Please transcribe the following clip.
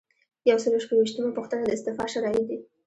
یو سل او شپږ ویشتمه پوښتنه د استعفا شرایط دي.